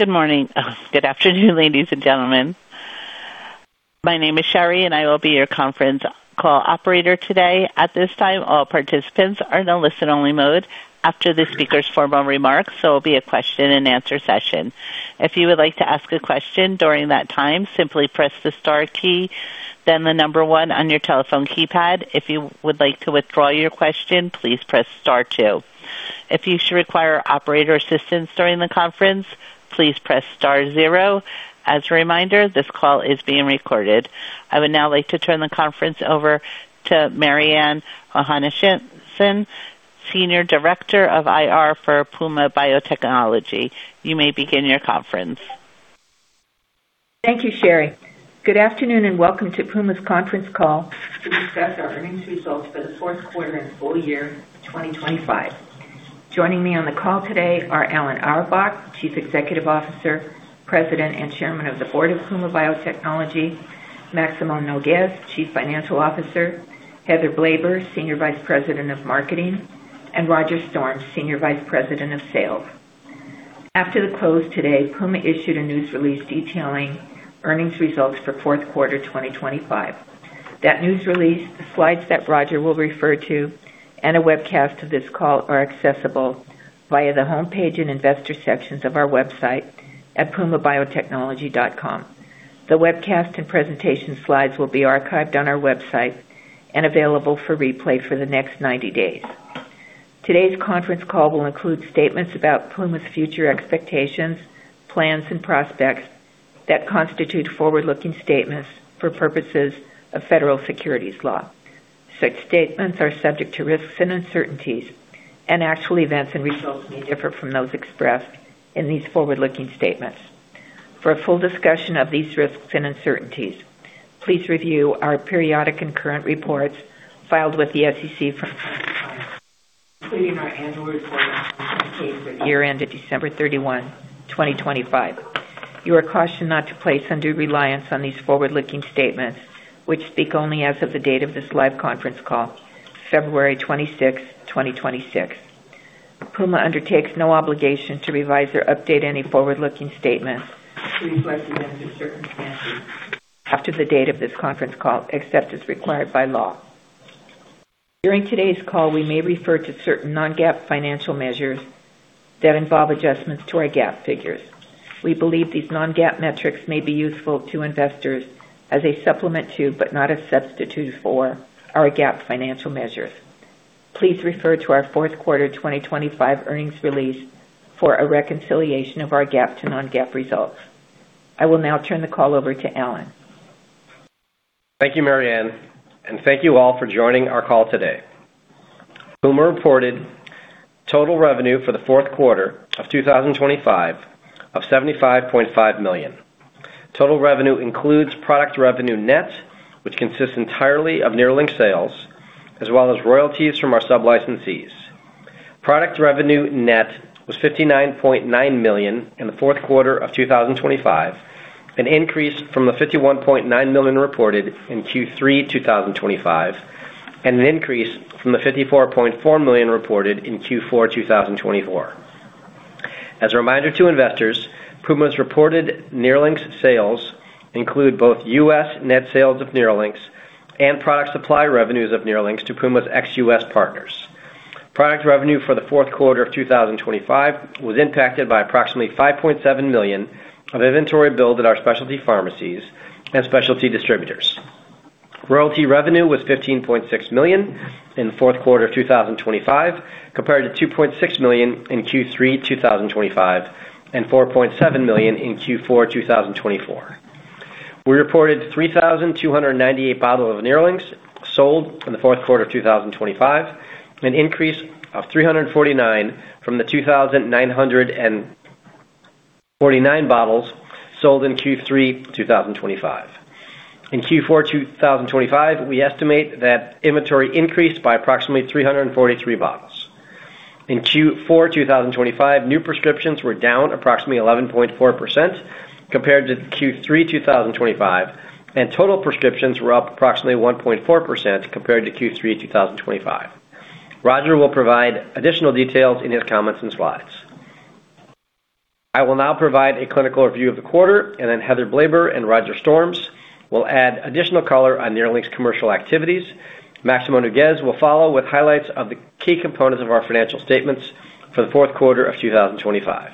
Good morning. Oh, good afternoon, ladies and gentlemen. My name is Sherry, and I will be your conference call operator today. At this time, all participants are in a listen-only mode. After the speaker's formal remarks, there will be a question-and-answer session. If you would like to ask a question during that time, simply press the star key, then the number one on your telephone keypad. If you would like to withdraw your question, please press star two. If you should require operator assistance during the conference, please press star zero. As a reminder, this call is being recorded. I would now like to turn the conference over to Mariann Ohanesian, Senior Director of IR for Puma Biotechnology. You may begin your conference. Thank you, Sherry. Good afternoon, and welcome to Puma's conference call to discuss our earnings results for the fourth quarter and full year 2025. Joining me on the call today are Alan Auerbach, Chief Executive Officer, President, and Chairman of the Board of Puma Biotechnology; Maximo Nougues, Chief Financial Officer; Heather Blaber, Senior Vice President of Marketing; and Roger Storms, Senior Vice President of Sales. After the close today, Puma issued a news release detailing earnings results for fourth quarter 2025. That news release, the slides that Roger will refer to, and a webcast of this call are accessible via the homepage and investor sections of our website at pumabiotechnology.com. The webcast and presentation slides will be archived on our website and available for replay for the next 90 days. Today's conference call will include statements about Puma's future expectations, plans, and prospects that constitute forward-looking statements for purposes of federal securities law. Such statements are subject to risks and uncertainties, and actual events and results may differ from those expressed in these forward-looking statements. For a full discussion of these risks and uncertainties, please review our periodic and current reports filed with the SEC from time to time, including our annual report for the year ended December 31, 2025. You are cautioned not to place undue reliance on these forward-looking statements, which speak only as of the date of this live conference call, February 26, 2026. Puma undertakes no obligation to revise or update any forward-looking statements to reflect events or circumstances after the date of this conference call, except as required by law. During today's call, we may refer to certain non-GAAP financial measures that involve adjustments to our GAAP figures. We believe these non-GAAP metrics may be useful to investors as a supplement to, but not a substitute for, our GAAP financial measures. Please refer to our fourth quarter 2025 earnings release for a reconciliation of our GAAP to non-GAAP results. I will now turn the call over to Alan. Thank you, Mariann, and thank you all for joining our call today. Puma reported total revenue for the fourth quarter of 2025 of $75.5 million. Total revenue includes product revenue net, which consists entirely of NERLYNX sales, as well as royalties from our sub-licensees. Product revenue net was $59.9 million in the fourth quarter of 2025, an increase from the $51.9 million reported in Q3 2025, and an increase from the $54.4 million reported in Q4 2024. As a reminder to investors, Puma's reported NERLYNX sales include both U.S. net sales of NERLYNX and product supply revenues of NERLYNX to Puma's ex-U.S. partners. Product revenue for the fourth quarter of 2025 was impacted by approximately $5.7 million of inventory billed at our specialty pharmacies and specialty distributors. Royalty revenue was $15.6 million in the fourth quarter of 2025, compared to $2.6 million in Q3 2025 and $4.7 million in Q4 2024. We reported 3,298 bottles of NERLYNX sold in the fourth quarter of 2025, an increase of 349 from the 2,949 bottles sold in Q3 2025. In Q4 2025, we estimate that inventory increased by approximately 343 bottles. In Q4 2025, new prescriptions were down approximately 11.4% compared to Q3 2025, and total prescriptions were up approximately 1.4% compared to Q3 2025. Roger will provide additional details in his comments and slides. I will now provide a clinical review of the quarter, and then Heather Blaber and Roger Storms will add additional color on NERLYNX's commercial activities. Maximo Nougues will follow with highlights of the key components of our financial statements for the fourth quarter of 2025.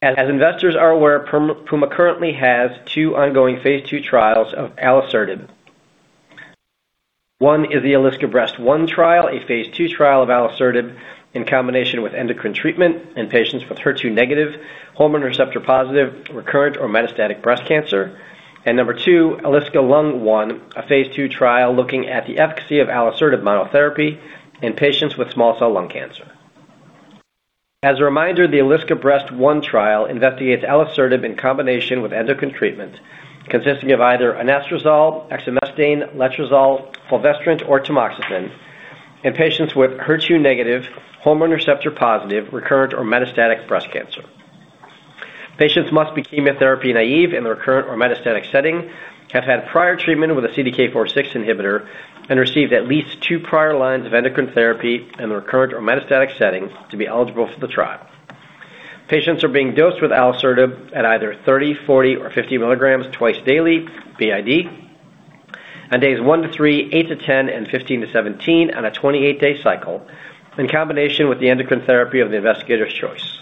As investors are aware, Puma currently has two ongoing Phase II trials of alisertib. One is the ALISCA-Breast1 trial, a Phase II trial of alisertib in combination with endocrine treatment in patients with HER2-negative, hormone receptor-positive, recurrent or metastatic breast cancer. Number two, ALISCA-Lung1, a Phase II trial looking at the efficacy of alisertib monotherapy in patients with small cell lung cancer. As a reminder, the ALISCA-Breast1 trial investigates alisertib in combination with endocrine treatment, consisting of either anastrozole, exemestane, letrozole, fulvestrant, or tamoxifen in patients with HER2-negative, hormone receptor-positive, recurrent or metastatic breast cancer. Patients must be chemotherapy naive in the recurrent or metastatic setting, have had prior treatment with a CDK4/6 inhibitor, and received at least two prior lines of endocrine therapy in the recurrent or metastatic setting to be eligible for the trial. Patients are being dosed with alisertib at either 30 mg, 40 mg, or 50 mg twice daily, BID, on days one-three, eight-10, and 15-17 on a 28-day cycle, in combination with the endocrine therapy of the investigator's choice.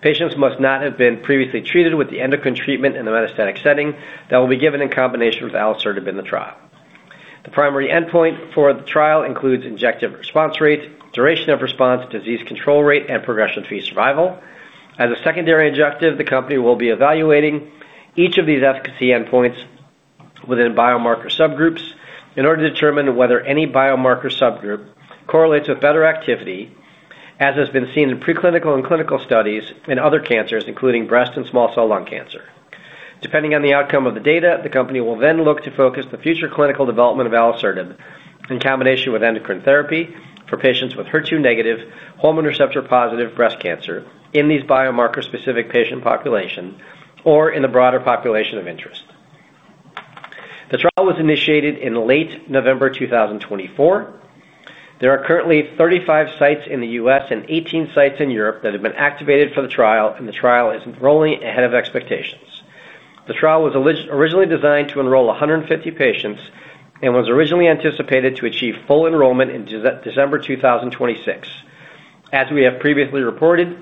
Patients must not have been previously treated with the endocrine treatment in the metastatic setting that will be given in combination with alisertib in the trial. The primary endpoint for the trial includes objective response rate, duration of response, disease control rate, and progression-free survival. As a secondary objective, the company will be evaluating each of these efficacy endpoints within biomarker subgroups in order to determine whether any biomarker subgroup correlates with better activity, as has been seen in preclinical and clinical studies in other cancers, including breast and small cell lung cancer. Depending on the outcome of the data, the company will then look to focus the future clinical development of alisertib in combination with endocrine therapy for patients with HER2-negative, hormone receptor-positive breast cancer in these biomarker-specific patient population or in the broader population of interest. The trial was initiated in late November 2024. There are currently 35 sites in the U.S. and 18 sites in Europe that have been activated for the trial, and the trial is enrolling ahead of expectations. The trial was originally designed to enroll 150 patients and was originally anticipated to achieve full enrollment in December 2026. As we have previously reported,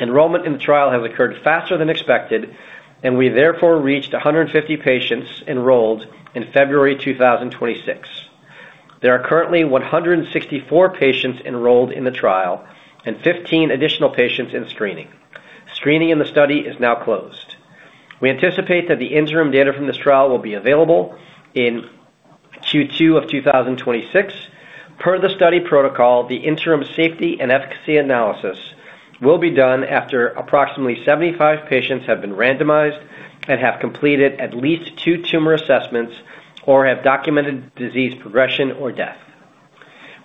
enrollment in the trial has occurred faster than expected, and we therefore reached 150 patients enrolled in February 2026. There are currently 164 patients enrolled in the trial and 15 additional patients in screening. Screening in the study is now closed. We anticipate that the interim data from this trial will be available in Q2 of 2026. Per the study protocol, the interim safety and efficacy analysis will be done after approximately 75 patients have been randomized and have completed at least two tumor assessments or have documented disease progression or death.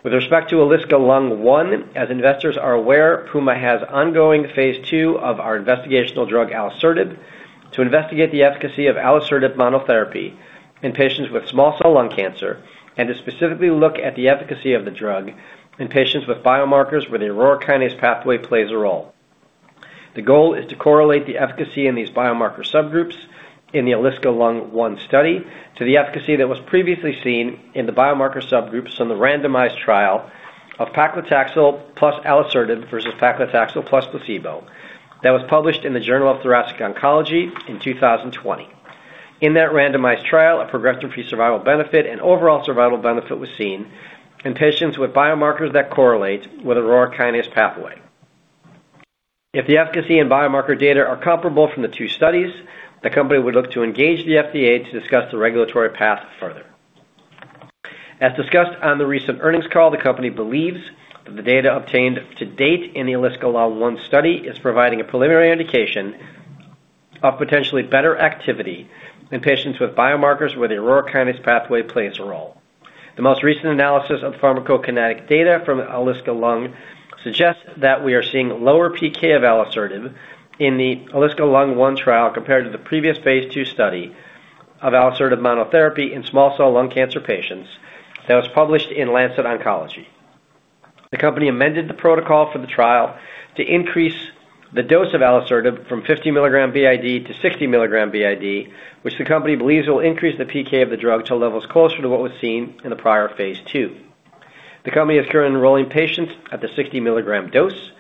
With respect to ALISCA-Lung1, as investors are aware, Puma has ongoing phase II of our investigational drug, alisertib, to investigate the efficacy of alisertib monotherapy in patients with small cell lung cancer, and to specifically look at the efficacy of the drug in patients with biomarkers where the Aurora kinase pathway plays a role. The goal is to correlate the efficacy in these biomarker subgroups in the ALISCA-Lung1 study to the efficacy that was previously seen in the biomarker subgroups from the randomized trial of paclitaxel plus alisertib versus paclitaxel plus placebo. That was published in the Journal of Thoracic Oncology in 2020. In that randomized trial, a progression-free survival benefit and overall survival benefit was seen in patients with biomarkers that correlate with Aurora kinase pathway. If the efficacy and biomarker data are comparable from the two studies, the company would look to engage the FDA to discuss the regulatory path further. As discussed on the recent earnings call, the company believes that the data obtained to date in the ALISCA-Lung1 study is providing a preliminary indication of potentially better activity in patients with biomarkers where the Aurora kinase pathway plays a role. The most recent analysis of pharmacokinetic data from ALISCA-Lung suggests that we are seeing lower PK of alisertib in the ALISCA-Lung1 trial compared to the previous Phase II study of alisertib monotherapy in small cell lung cancer patients that was published in The Lancet Oncology. The company amended the protocol for the trial to increase the dose of alisertib from 50 mg BID-60 mg BID, which the company believes will increase the PK of the drug to levels closer to what was seen in the prior phase II. The company is currently enrolling patients at the 60 mg dose.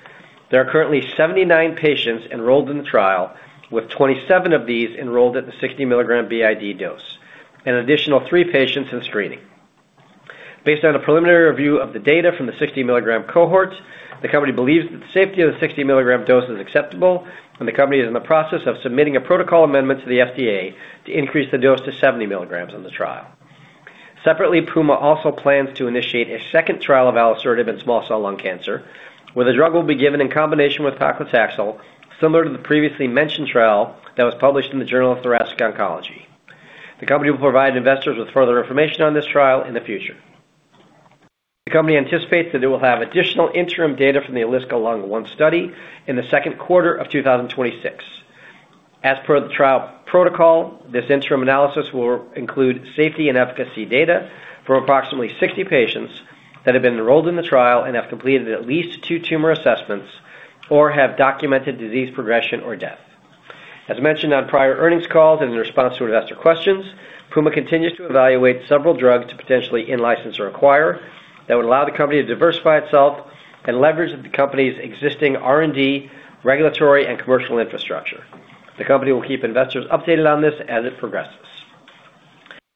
There are currently 79 patients enrolled in the trial, with 27 of these enrolled at the 60 mg BID dose, and an additional three patients in screening. Based on a preliminary review of the data from the 60 mg cohorts, the company believes that the safety of the 60 mg dose is acceptable, and the company is in the process of submitting a protocol amendment to the FDA to increase the dose to 70 mg in the trial. Separately, Puma also plans to initiate a second trial of alisertib in small cell lung cancer, where the drug will be given in combination with paclitaxel, similar to the previously mentioned trial that was published in the Journal of Thoracic Oncology. The company will provide investors with further information on this trial in the future. The company anticipates that it will have additional interim data from the ALISCA-Lung1 study in the second quarter of 2026. As per the trial protocol, this interim analysis will include safety and efficacy data for approximately 60 patients that have been enrolled in the trial and have completed at least two tumor assessments or have documented disease progression or death. As mentioned on prior earnings calls and in response to investor questions, Puma continues to evaluate several drugs to potentially in-license or acquire that would allow the company to diversify itself and leverage the company's existing R&D, regulatory, and commercial infrastructure. The company will keep investors updated on this as it progresses.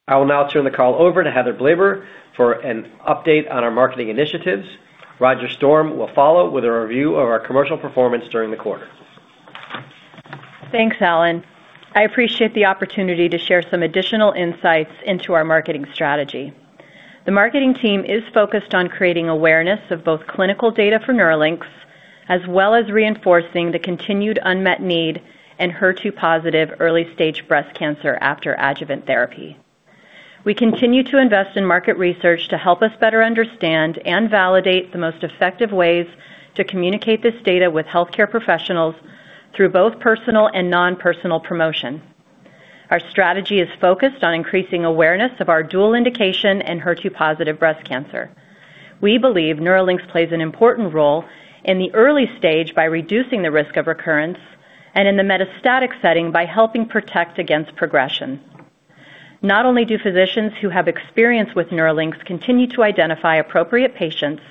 I will now turn the call over to Heather Blaber for an update on our marketing initiatives. Roger Storms will follow with a review of our commercial performance during the quarter. Thanks, Alan. I appreciate the opportunity to share some additional insights into our marketing strategy. The marketing team is focused on creating awareness of both clinical data for NERLYNX, as well as reinforcing the continued unmet need in HER2-positive early-stage breast cancer after adjuvant therapy. We continue to invest in market research to help us better understand and validate the most effective ways to communicate this data with healthcare professionals through both personal and non-personal promotion. Our strategy is focused on increasing awareness of our dual indication in HER2-positive breast cancer. We believe NERLYNX plays an important role in the early stage by reducing the risk of recurrence and in the metastatic setting by helping protect against progression. Not only do physicians who have experience with NERLYNX continue to identify appropriate patients,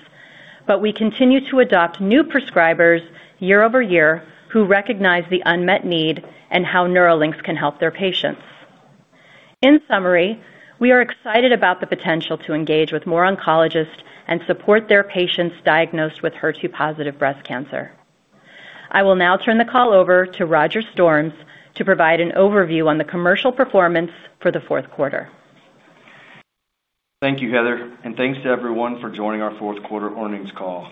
but we continue to adopt new prescribers year-over-year, who recognize the unmet need and how NERLYNX can help their patients. In summary, we are excited about the potential to engage with more oncologists and support their patients diagnosed with HER2-positive breast cancer. I will now turn the call over to Roger Storms to provide an overview on the commercial performance for the fourth quarter. Thank you, Heather. Thanks to everyone for joining our fourth quarter earnings call.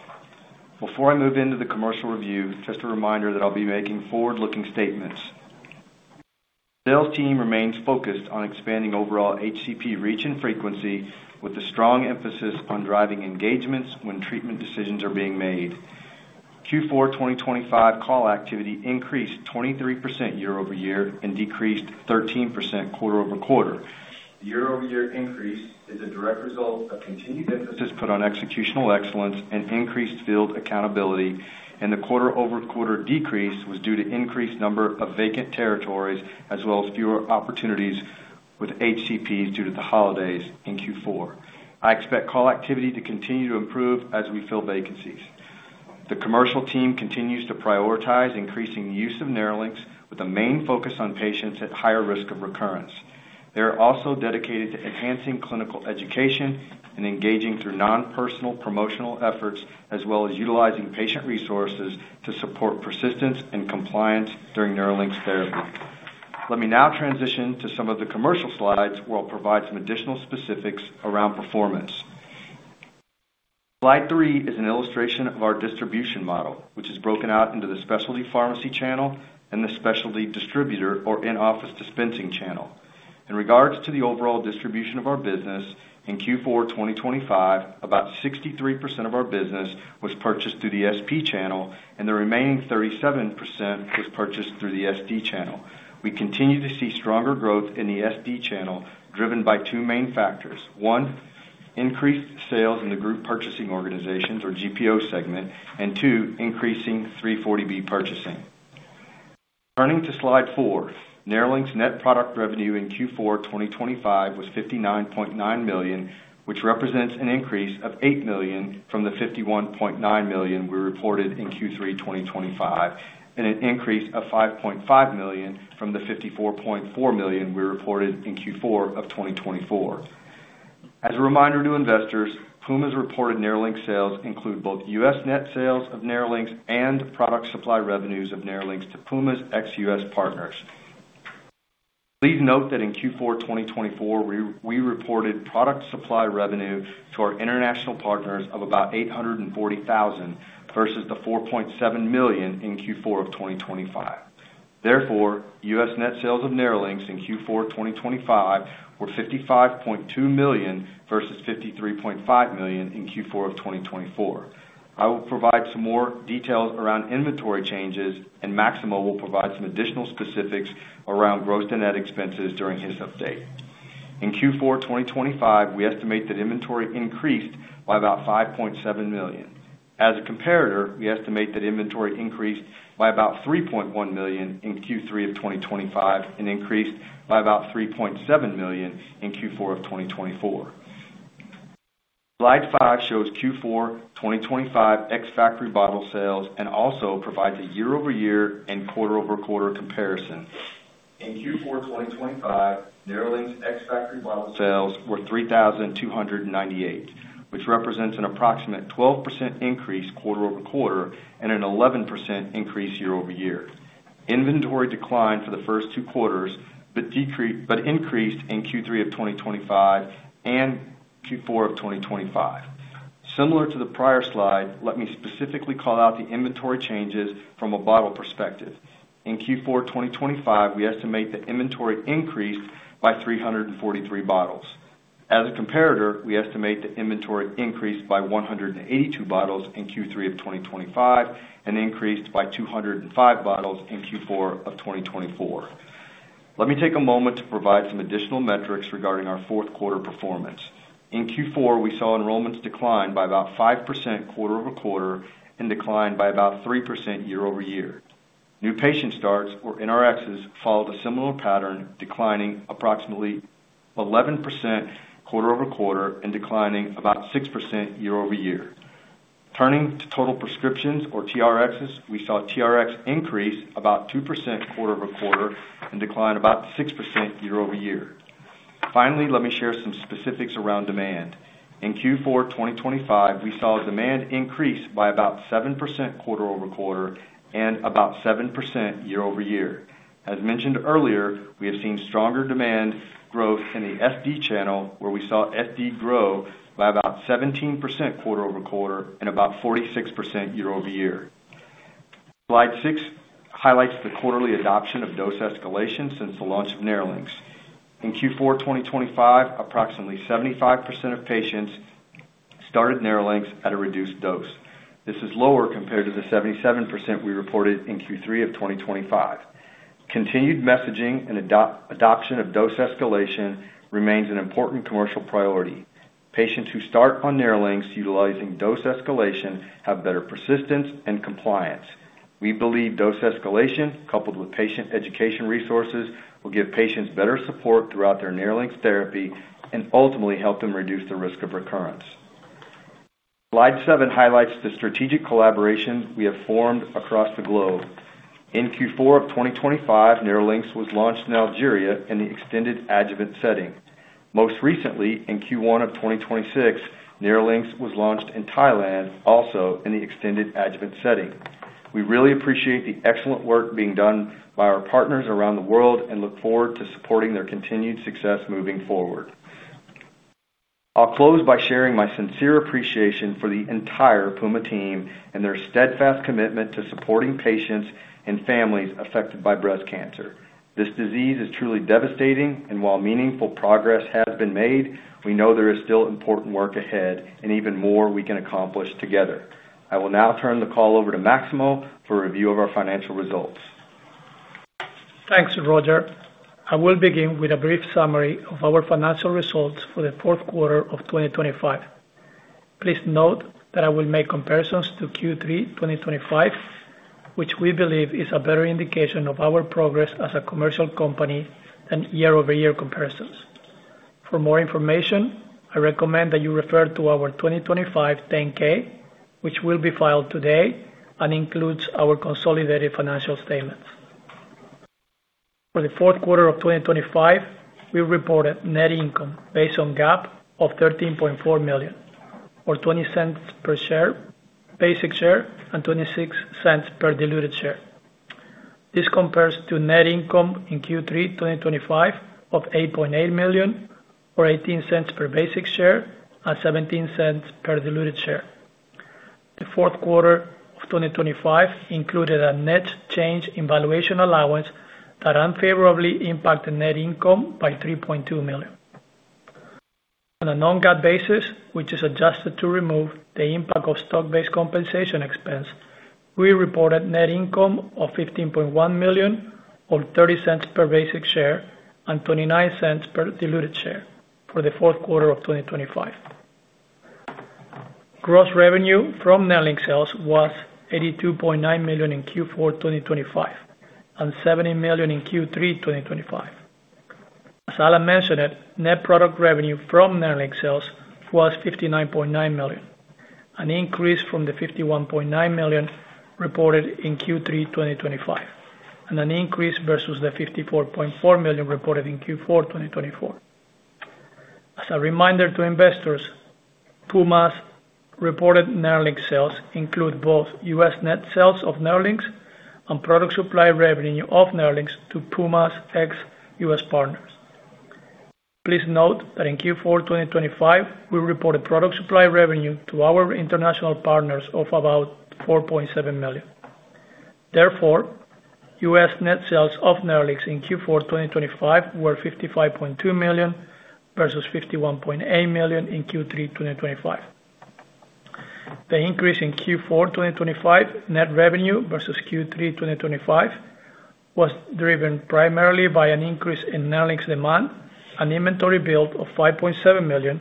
Before I move into the commercial review, just a reminder that I'll be making forward-looking statements. Sales team remains focused on expanding overall HCP reach and frequency, with a strong emphasis on driving engagements when treatment decisions are being made. Q4 2025 call activity increased 23% year-over-year and decreased 13% quarter-over-quarter. Year-over-year increase is a direct result of continued emphasis put on executional excellence and increased field accountability, and the quarter-over-quarter decrease was due to increased number of vacant territories, as well as fewer opportunities with HCPs due to the holidays in Q4. I expect call activity to continue to improve as we fill vacancies. The commercial team continues to prioritize increasing use of NERLYNX, with a main focus on patients at higher risk of recurrence. They are also dedicated to enhancing clinical education and engaging through non-personal promotional efforts, as well as utilizing patient resources to support persistence and compliance during NERLYNX therapy. Let me now transition to some of the commercial slides, where I'll provide some additional specifics around performance. Slide three is an illustration of our distribution model, which is broken out into the Specialty Pharmacy channel and the Specialty Distributor or in-office dispensing channel. In regards to the overall distribution of our business, in Q4 2025, about 63% of our business was purchased through the SP channel, and the remaining 37% was purchased through the SD channel. We continue to see stronger growth in the SD channel, driven by two main factors. One, increased sales in the group purchasing organizations or GPO segment, and two, increasing 340B purchasing. Turning to Slide four, NERLYNX net product revenue in Q4 2025 was $59.9 million, which represents an increase of $8 million from the $51.9 million we reported in Q3 2025, and an increase of $5.5 million from the $54.4 million we reported in Q4 2024. As a reminder to investors, Puma's reported NERLYNX sales include both U.S. net sales of NERLYNX and product supply revenues of NERLYNX to Puma's ex-U.S. partners. Please note that in Q4 2024, we reported product supply revenue to our international partners of about $840,000, versus the $4.7 million in Q4 2025. Therefore, U.S. net sales of NERLYNX in Q4 2025 were $55.2 million, versus $53.5 million in Q4 2024. I will provide some more details around inventory changes, and Maximo will provide some additional specifics around gross and net expenses during his update. In Q4 2025, we estimate that inventory increased by about $5.7 million. As a comparator, we estimate that inventory increased by about $3.1 million in Q3 of 2025, and increased by about $3.7 million in Q4 of 2024. Slide five shows Q4 2025 ex-factory bottle sales and also provides a year-over-year and quarter-over-quarter comparison. In Q4 2025, NERLYNX ex-factory bottle sales were 3,298, which represents an approximate 12% increase quarter-over-quarter and an 11% increase year-over-year. Inventory declined for the first two quarters, but increased in Q3 of 2025 and Q4 of 2025. Similar to the prior slide, let me specifically call out the inventory changes from a bottle perspective. In Q4 2025, we estimate that inventory increased by 343 bottles. As a comparator, we estimate that inventory increased by 182 bottles in Q3 of 2025, and increased by 205 bottles in Q4 of 2024. Let me take a moment to provide some additional metrics regarding our fourth quarter performance. In Q4, we saw enrollments decline by about 5% quarter-over-quarter and decline by about 3% year-over-year. New patient starts or NRxs, followed a similar pattern, declining approximately 11% quarter-over-quarter and declining about 6% year-over-year. Turning to total prescriptions or TRxs, we saw TRx increase about 2% quarter-over-quarter and decline about 6% year-over-year. Let me share some specifics around demand. In Q4 2025, we saw demand increase by about 7% quarter-over-quarter and about 7% year-over-year. As mentioned earlier, we have seen stronger demand growth in the SD channel, where we saw SD grow by about 17% quarter-over-quarter and about 46% year-over-year. Slide six highlights the quarterly adoption of dose escalation since the launch of NERLYNX. In Q4 2025, approximately 75% of patients started NERLYNX at a reduced dose. This is lower compared to the 77% we reported in Q3 of 2025. Continued messaging and adoption of dose escalation remains an important commercial priority. Patients who start on NERLYNX utilizing dose escalation have better persistence and compliance. We believe dose escalation, coupled with patient education resources, will give patients better support throughout their NERLYNX therapy and ultimately help them reduce the risk of recurrence. Slide seven highlights the strategic collaborations we have formed across the globe. In Q4 of 2025, NERLYNX was launched in Algeria in the extended adjuvant setting. Most recently, in Q1 of 2026, NERLYNX was launched in Thailand, also in the extended adjuvant setting. We really appreciate the excellent work being done by our partners around the world and look forward to supporting their continued success moving forward. I'll close by sharing my sincere appreciation for the entire Puma team and their steadfast commitment to supporting patients and families affected by breast cancer. This disease is truly devastating, and while meaningful progress has been made, we know there is still important work ahead and even more we can accomplish together. I will now turn the call over to Maximo for a review of our financial results. Thanks, Roger. I will begin with a brief summary of our financial results for the fourth quarter of 2025. Please note that I will make comparisons to Q3 2025, which we believe is a better indication of our progress as a commercial company than year-over-year comparisons. For more information, I recommend that you refer to our 2025 10-K, which will be filed today and includes our consolidated financial statements. For the fourth quarter of 2025, we reported net income based on GAAP of $13.4 million, or $0.20 per share, basic share, and $0.26 per diluted share. This compares to net income in Q3 2025 of $8.8 million, or $0.18 per basic share, and $0.17 per diluted share. The fourth quarter of 2025 included a net change in valuation allowance that unfavorably impacted net income by $3.2 million. On a non-GAAP basis, which is adjusted to remove the impact of stock-based compensation expense, we reported net income of $15.1 million, or $0.30 per basic share, and $0.29 per diluted share for the fourth quarter of 2025. Gross revenue from NERLYNX sales was $82.9 million in Q4 2025, and $70 million in Q3 2025. As Alan mentioned it, net product revenue from NERLYNX sales was $59.9 million, an increase from the $51.9 million reported in Q3 2025, and an increase versus the $54.4 million reported in Q4 2024. As a reminder to investors, Puma's reported NERLYNX sales include both U.S. net sales of NERLYNX and product supply revenue of NERLYNX to Puma's ex-U.S. partners. Please note that in Q4 2025, we reported product supply revenue to our international partners of about $4.7 million. Therefore, U.S. net sales of NERLYNX in Q4 2025 were $55.2 million versus $51.8 million in Q3 2025. The increase in Q4 2025 net revenue versus Q3 2025 was driven primarily by an increase in NERLYNX demand and inventory build of $5.7 million,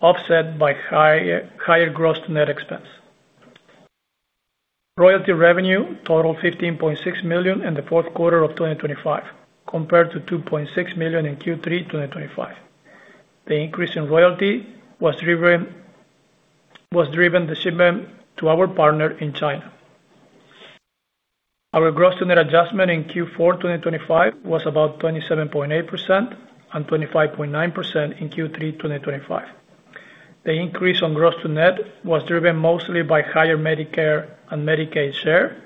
offset by higher gross net expense. Royalty revenue totaled $15.6 million in the fourth quarter of 2025, compared to $2.6 million in Q3 2025. The increase in royalty was driven the shipment to our partner in China. Our gross-to-net adjustment in Q4 2025 was about 27.8% and 25.9% in Q3 2025. The increase on gross-to-net was driven mostly by higher Medicare and Medicaid share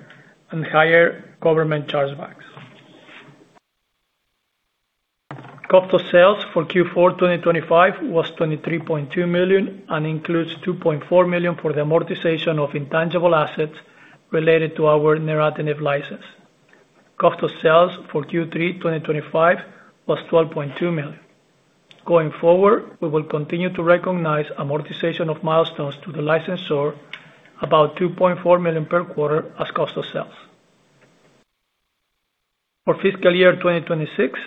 and higher government chargebacks. Cost of sales for Q4 2025 was $23.2 million, and includes $2.4 million for the amortization of intangible assets related to our neratinib license. Cost of sales for Q3 2025 was $12.2 million. Going forward, we will continue to recognize amortization of milestones to the licensor, about $2.4 million per quarter as cost of sales. For fiscal year 2026,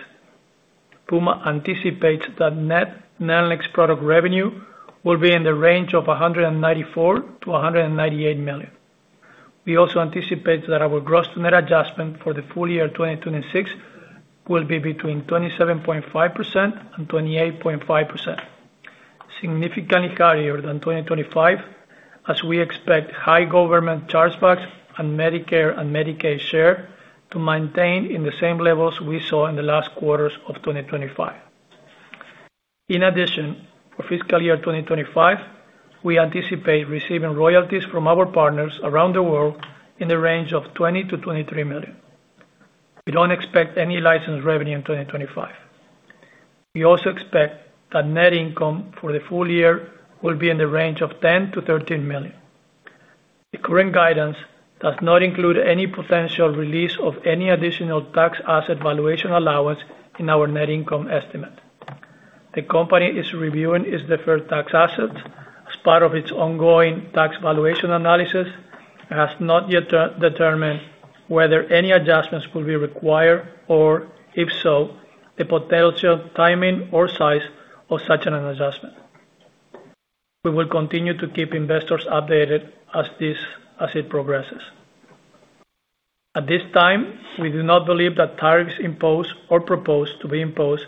Puma anticipates that net NERLYNX product revenue will be in the range of $194 million-$198 million. We also anticipate that our gross net adjustment for the full year 2026 will be between 27.5% and 28.5%, significantly higher than 2025, as we expect high government chargebacks on Medicare and Medicaid share to maintain in the same levels we saw in the last quarters of 2025. In addition, for fiscal year 2025, we anticipate receiving royalties from our partners around the world in the range of $20 million-$23 million. We don't expect any license revenue in 2025. We also expect that net income for the full year will be in the range of $10 million-$13 million. The current guidance does not include any potential release of any additional tax asset valuation allowance in our net income estimate. The company is reviewing its deferred tax assets as part of its ongoing tax valuation analysis, has not yet determined whether any adjustments will be required, or if so, the potential timing or size of such an adjustment. We will continue to keep investors updated as it progresses. At this time, we do not believe that tariffs imposed or proposed to be imposed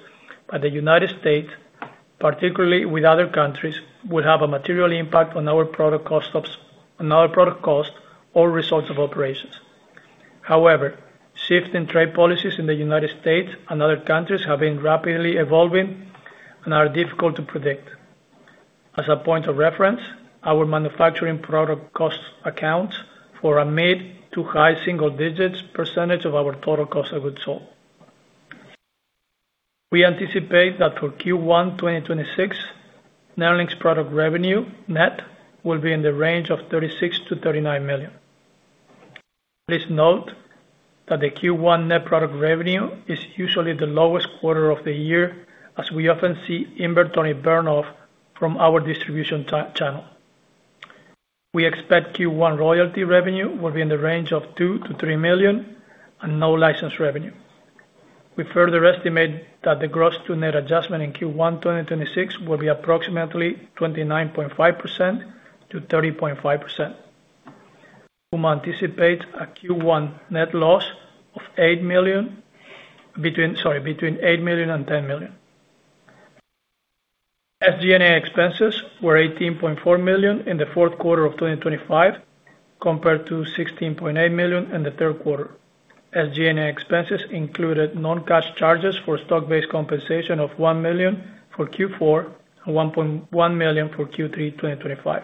by the United States, particularly with other countries, would have a material impact on our product cost or results of operations. Shifts in trade policies in the United States and other countries have been rapidly evolving and are difficult to predict. As a point of reference, our manufacturing product costs account for a mid to high single-digit percentage of our total cost of goods sold. We anticipate that for Q1 2026, NERLYNX product revenue net will be in the range of $36 million-$39 million. Please note that the Q1 net product revenue is usually the lowest quarter of the year, as we often see inventory burn off from our distribution channel. We expect Q1 royalty revenue will be in the range of $2 million-$3 million and no license revenue. We further estimate that the gross to net adjustment in Q1 2026, will be approximately 29.5%-30.5%. We anticipate a Q1 net loss between $8 million and $10 million. SG&A expenses were $18.4 million in the fourth quarter of 2025, compared to $16.8 million in the third quarter. SG&A expenses included non-cash charges for stock-based compensation of $1 million for Q4 and $1.1 million for Q3, 2025.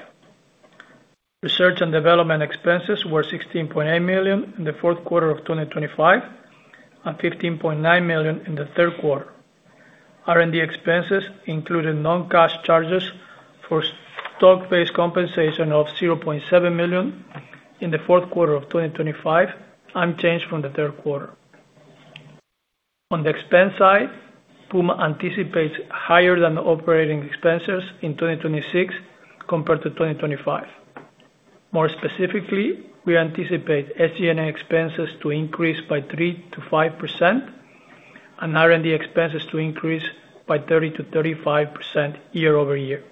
Research and development expenses were $16.8 million in the fourth quarter of 2025, and $15.9 million in the third quarter. R&D expenses included non-cash charges for stock-based compensation of $0.7 million in the fourth quarter of 2025, unchanged from the third quarter. On the expense side, Puma anticipates higher than operating expenses in 2026 compared to 2025. More specifically, we anticipate SG&A expenses to increase by 3%-5% and R&D expenses to increase by 30%-35% year-over-year.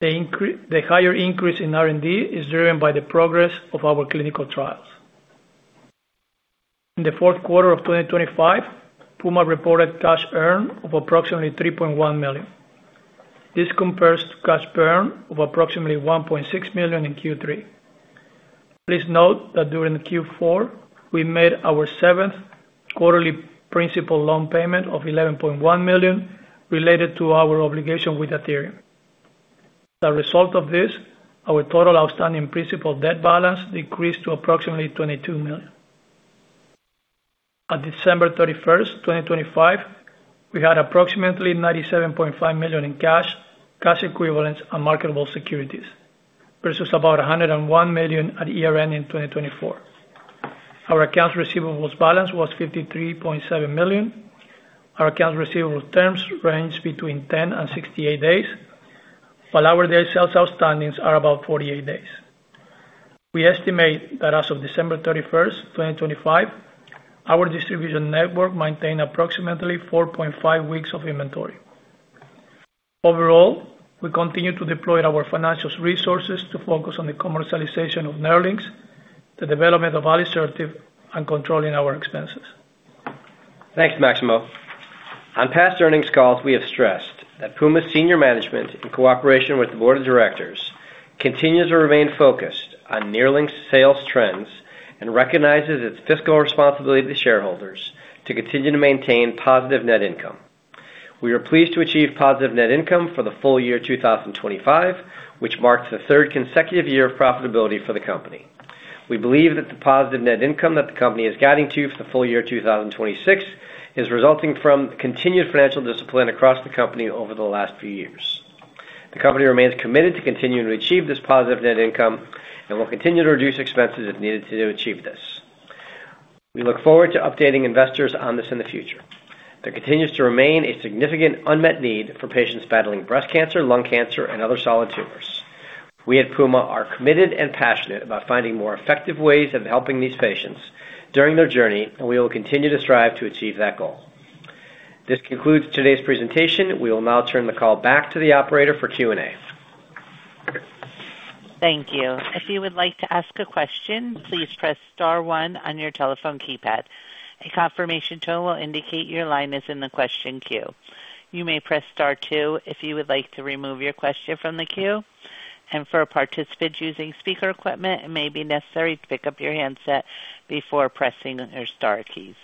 The higher increase in R&D is driven by the progress of our clinical trials. In the fourth quarter of 2025, Puma reported cash earned of approximately $3.1 million. This compares to cash burn of approximately $1.6 million in Q3. Please note that during Q4, we made our seventh quarterly principal loan payment of $11.1 million, related to our obligation with Athyrium. As a result of this, our total outstanding principal debt balance decreased to approximately $22 million. On December 31st, 2025, we had approximately $97.5 million in cash, cash equivalents, and marketable securities, versus about $101 million at year-end in 2024. Our accounts receivables balance was $53.7 million. Our accounts receivable terms range between 10 and 68 days, while our days sales outstanding are about 48 days. We estimate that as of December 31st, 2025, our distribution network maintained approximately 4.5 weeks of inventory. Overall, we continue to deploy our financial resources to focus on the commercialization of NERLYNX, the development of alisertib, and controlling our expenses. Thanks, Maximo. On past earnings calls, we have stressed that Puma's senior management, in cooperation with the board of directors, continues to remain focused on NERLYNX sales trends and recognizes its fiscal responsibility to shareholders to continue to maintain positive net income. We are pleased to achieve positive net income for the full year 2025, which marks the third consecutive year of profitability for the company. We believe that the positive net income that the company is guiding to for the full year 2026 is resulting from continued financial discipline across the company over the last few years. The company remains committed to continuing to achieve this positive net income and will continue to reduce expenses if needed to achieve this. We look forward to updating investors on this in the future. There continues to remain a significant unmet need for patients battling breast cancer, lung cancer, and other solid tumors. We at Puma are committed and passionate about finding more effective ways of helping these patients during their journey, and we will continue to strive to achieve that goal. This concludes today's presentation. We will now turn the call back to the operator for Q&A. Thank you. If you would like to ask a question, please press star one on your telephone keypad. A confirmation tone will indicate your line is in the question queue. You may press star two if you would like to remove your question from the queue. For participants using speaker equipment, it may be necessary to pick up your handset before pressing your star keys.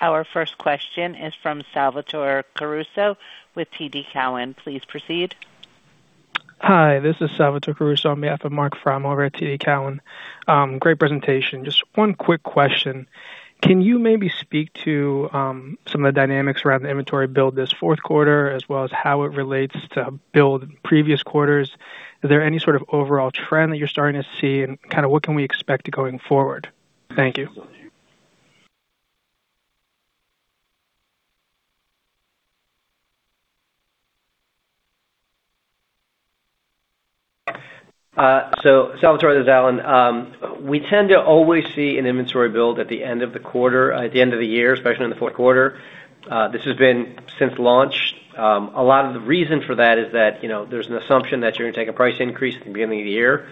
Our first question is from Salvatore Caruso with TD Cowen. Please proceed. Hi, this is Salvatore Caruso on behalf of Marc Frahm over at TD Cowen. Great presentation. Just one quick question. Can you maybe speak to, some of the dynamics around the inventory build this fourth quarter, as well as how it relates to build previous quarters? Is there any sort of overall trend that you're starting to see, and kind of what can we expect going forward? Thank you. Salvatore, this is Alan. We tend to always see an inventory build at the end of the quarter, at the end of the year, especially in the fourth quarter. This has been since launch. A lot of the reason for that is that, you know, there's an assumption that you're gonna take a price increase at the beginning of the year.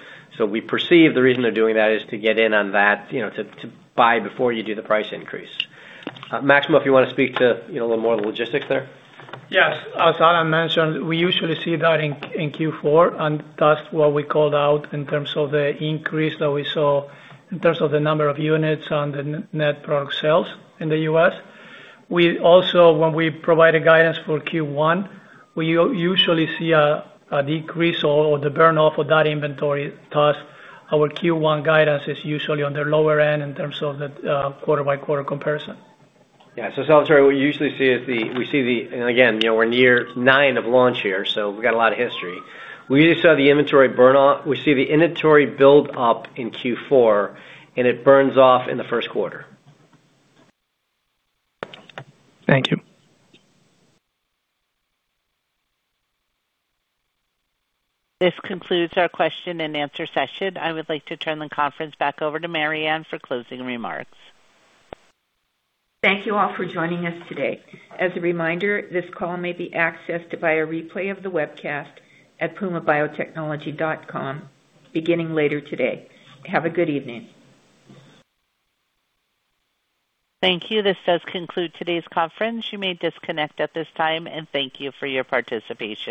We perceive the reason they're doing that is to get in on that, you know, to buy before you do the price increase. Maximo, if you wanna speak to, you know, a little more of the logistics there? Yes. As Alan mentioned, we usually see that in Q4. That's what we called out in terms of the increase that we saw in terms of the number of units on the net product sales in the U.S. We also, when we provided guidance for Q1, we usually see a decrease or the burn-off of that inventory. Thus, our Q1 guidance is usually on the lower end in terms of the quarter-by-quarter comparison. Yeah. Salvatore, we usually see the. Again, you know, we're in year nine of launch here, so we've got a lot of history. We usually see the inventory build up in Q4, and it burns off in the first quarter. Thank you. This concludes our question-and-answer session. I would like to turn the conference back over to Mariann for closing remarks. Thank you all for joining us today. As a reminder, this call may be accessed by a replay of the webcast at pumabiotechnology.com beginning later today. Have a good evening. Thank you. This does conclude today's conference. You may disconnect at this time, and thank you for your participation.